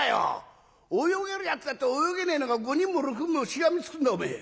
泳げるやつだって泳げねえのが５人も６人もしがみつくんだおめえ。